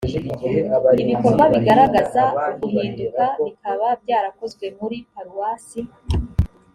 ibikorwa bigaragaza uguhinduka bikaba byarakozwe muri paruwasi